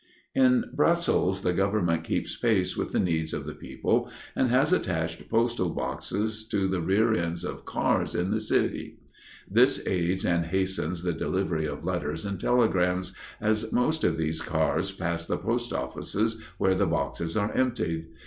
In Brussels the government keeps pace with the needs of the people, and has attached postal boxes to the rear ends of cars in the city. This aids and hastens the delivery of letters and telegrams, as most of these cars pass the post offices, where the boxes are emptied.